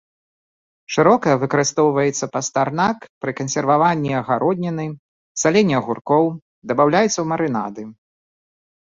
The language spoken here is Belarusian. Шырока выкарыстоўваецца пастарнак пры кансерваванні агародніны, саленні агуркоў, дабаўляецца ў марынады.